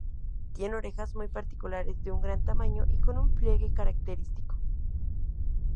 Tiene orejas muy particulares, de un gran tamaño y con un pliegue característico.